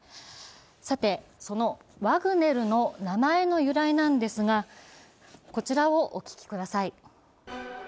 そのワグネルの名前の由来なんですがこちらをお聴きください。